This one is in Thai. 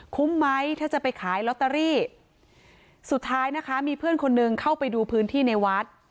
คุ้มไหมถ้าจะไปขายลอตเตอรี่สุดท้ายนะคะมีเพื่อนคนหนึ่งเข้าไปดูพื้นที่ในวัด